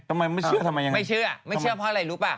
ทำไมไม่เชื่อไม่เชื่อไม่เชื่อเพราะอะไรรู้ป่ะ